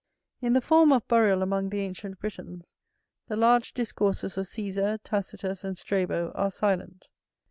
In the form of burial among the ancient Britons, the large discourses of Cæsar, Tacitus, and Strabo are silent.